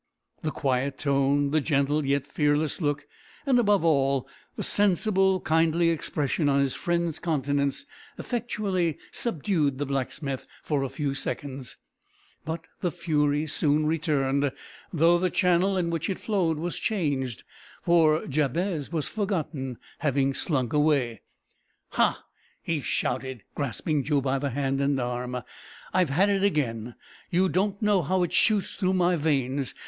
The quiet tone, the gentle yet fearless look, and, above all, the sensible, kindly expression on his friend's countenance, effectually subdued the blacksmith for a few seconds, but the fury soon returned, though the channel in which it flowed was changed, for Jabez was forgotten, having slunk away. "Ha!" he shouted, grasping Joe by the hand and arm, "I've had it again! You don't know how it shoots through my veins.